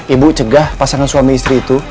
ibu cegah pasangan suami istri itu